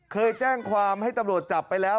เคยแจ้งความให้ตำรวจจับไปแล้ว